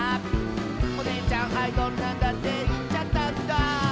「『おねえちゃんアイドルなんだ』っていっちゃったんだ」